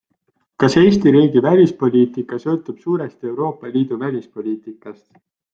Kas Eesti riigi välispoliitika sõltub suuresti Euroopa Liidu välispoliitikast?